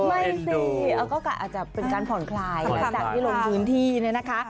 ไม่สิก็อาจจะเป็นการผ่อนคลายหลังจากที่ลงพื้นที่เนี่ยนะคะ